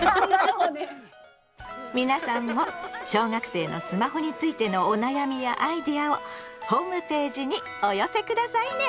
皆さんも小学生のスマホについてのお悩みやアイデアをホームページにお寄せ下さいね！